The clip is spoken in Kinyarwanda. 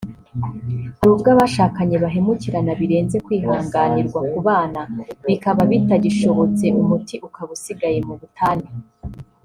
Hari ubwo abashakanye bahemukirana birenze kwihanganirwa kubana bikaba bitagishobotse umuti ukaba usigaye mu butane